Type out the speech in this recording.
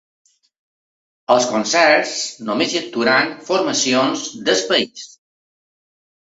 Als concerts, només hi actuaran formacions del país.